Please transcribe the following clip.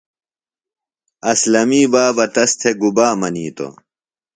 اسلمی بابہ تس تھےۡ گُبا منِیتوۡ؟